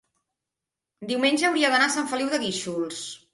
diumenge hauria d'anar a Sant Feliu de Guíxols.